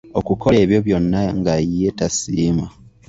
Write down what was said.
Okukola ebyo byonna nga ye tasiima